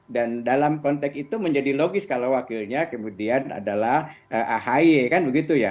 dan dalam konteks itu menjadi logis kalau wakilnya kemudian adalah ahayi kan begitu ya